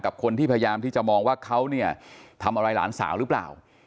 คนที่พยายามที่จะมองว่าเขาเนี่ยทำอะไรหลานสาวหรือเปล่า